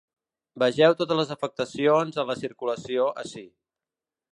Vegeu totes les afectacions en la circulació ací.